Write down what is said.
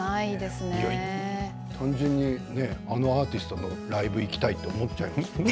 単純に、あのアーティストのライブ行きたいって思っちゃいますもんね。